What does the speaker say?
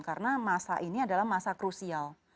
karena masa ini adalah masa krusial